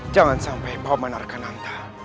jangan sampai paman arkananta